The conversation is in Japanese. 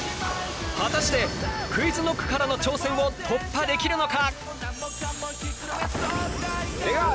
果たしてＱｕｉｚＫｎｏｃｋからの挑戦を突破できるのか！？